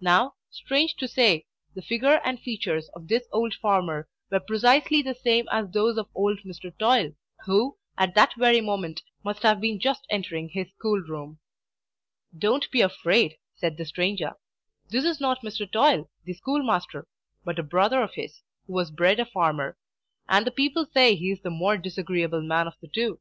Now, strange to say, the figure and features of this old farmer were precisely the same as those of old Mr. Toil, who, at that very moment, must have been just entering his school room. "Don't be afraid," said the stranger. "This is not Mr. Toil, the schoolmaster, but a brother of his, who was bred a farmer; and the people say he is the more disagreeable man of the two.